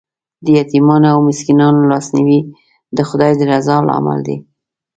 د یتیمانو او مسکینانو لاسنیوی د خدای د رضا لامل دی.